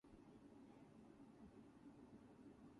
It is in the and is part of the Alexander Nevsky Lavra.